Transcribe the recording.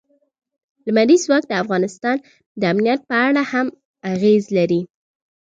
لمریز ځواک د افغانستان د امنیت په اړه هم اغېز لري.